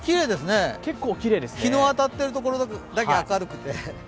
日の当たってるところだけが明るくて。